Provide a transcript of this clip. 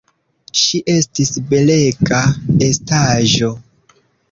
Ŝi estis belega estaĵo.